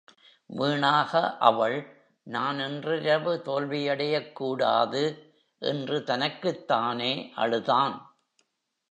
வீணாக அவள், "நான் இன்றிரவு தோல்வியடையக் கூடாது" என்று தனக்குத்தானே அழுதான்.